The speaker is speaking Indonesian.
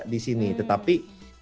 di sini tetapi